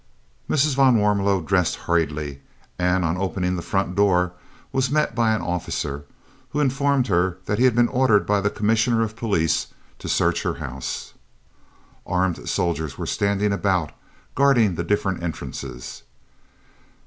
Mrs. van Warmelo dressed hurriedly, and on opening the front door was met by an officer, who informed her that he had been ordered by the Commissioner of Police to search her house. Armed soldiers were standing about, guarding the different entrances.